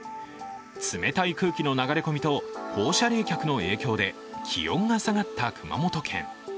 冷たい空気の流れ込みと放射冷却の影響で気温が下がった熊本県。